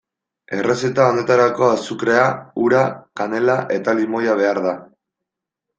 Errezeta honetarako azukrea, ura, kanela eta limoia behar da.